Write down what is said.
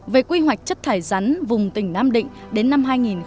về quy hoạch chất thải rắn vùng tỉnh nam định đến năm hai nghìn ba mươi